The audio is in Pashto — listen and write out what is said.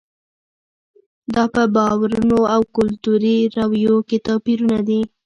دا په باورونو او کلتوري رویو کې توپیرونه دي.